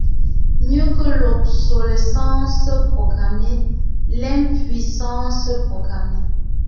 Mieux que l’obsolescence programmée, l’impuissance programmée.